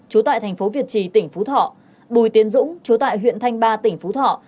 trú tại thành phố việt trì tỉnh phú thọ bùi tiến dũng chú tại huyện thanh ba tỉnh phú thọ